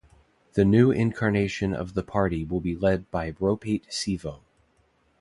The new incarnation of the party will be led by Ropate Sivo.